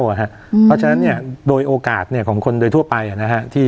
เพราะฉะนั้นโดยโอกาสของคนโดยทั่วไป